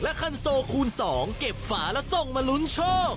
คันโซคูณ๒เก็บฝาแล้วส่งมาลุ้นโชค